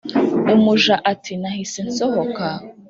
umuja ati"nahise nsohoka